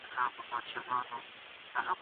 هغه د خوراکي توکو پاکوالي څاره.